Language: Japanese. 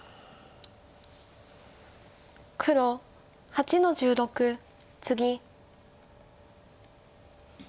黒８の十六ツギ。